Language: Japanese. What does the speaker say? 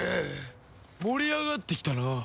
盛り上がってきたな。